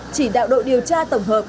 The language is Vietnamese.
chỉ đạo đội điều tra tổng hợp